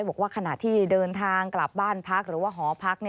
บอกว่าขณะที่เดินทางกลับบ้านพักหรือว่าหอพัก